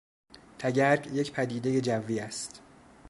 تگرگ یک پدیدهی جوی است.